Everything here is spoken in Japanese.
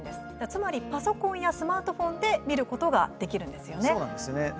つまりパソコンやスマートフォンで見ることができるんですよね。